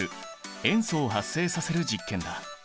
塩素を発生させる実験だ。